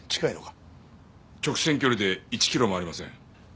直線距離で１キロもありません。